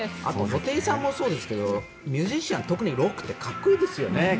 布袋さんもそうですがミュージシャン、特にロックってかっこいいですよね。